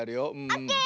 オッケー！